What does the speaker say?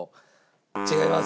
違います。